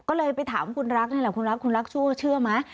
ก็เลยไปถามคุณรักนี่แหละคุณรักคุณรักชั่วเชื่อไหม